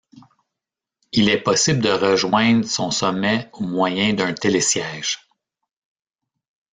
Il est possible de rejoindre son sommet au moyen d'un télésiège.